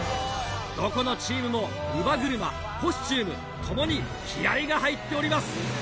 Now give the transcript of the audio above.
どこのチームも乳母車コスチューム共に気合が入っております！